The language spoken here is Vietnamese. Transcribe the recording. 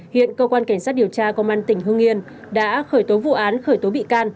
hiện cơ quan cảnh sát điều tra công an tỉnh hương yên đã khởi tố vụ án khởi tố bị can